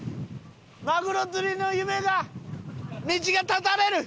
マグロ釣りの夢が道が絶たれる！